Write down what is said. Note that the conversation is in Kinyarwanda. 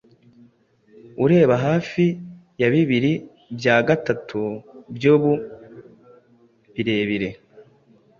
Ureba Hafi ya bibiri bya gatatu byubu birebire